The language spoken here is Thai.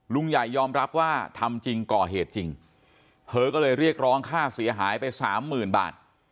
ลุงใหญ่ยอมรับว่าทำจริงก่อเหตุจริงเธอก็เลยเรียกร้องค่าเสียหายไปสามหมื่นบาท